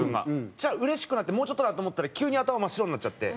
そしたら嬉しくなってもうちょっとだと思ったら急に頭真っ白になっちゃって。